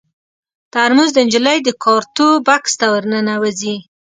ترموز د نجلۍ د کارتو بکس ته ور ننوځي.